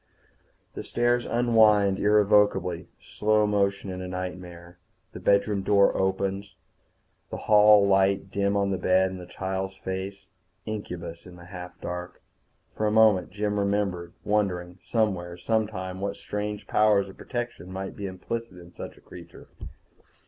The stairs unwind irrevocably, slow motion in a nightmare. The bedroom door opens, the hall light dim on the bed and the child's face. Incubus in the half dark. For a moment Jim remembered wondering somewhere, sometime, what strange powers of protection might be implicit in such a creature.